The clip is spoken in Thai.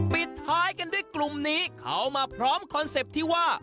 ปิดท้ายกันด้วยกลุ่มนี้เขามาพร้อมคอนเซ็ปต์ที่ว่า